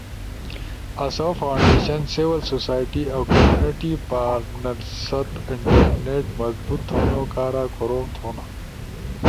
آسو فاونڈیشن، سیول سوسائٹی اؤ کمیونٹی پارٹنر ست انٹرنیٹ مضبوط تھونو کارا کوروم تھونا،